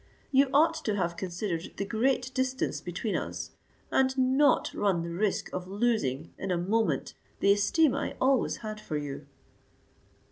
You ought to have considered the great distance between us, and not run the risk of losing in a moment the esteem I always had for you."